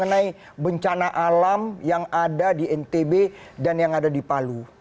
mengenai bencana alam yang ada di ntb dan yang ada di palu